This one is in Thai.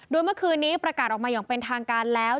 โดยเมื่อคืนนี้ประกาศออกมาอย่างเป็นทางการแล้ว